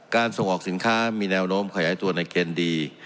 ส่งออกสินค้ามีแนวโน้มขยายตัวในเกณฑ์ดี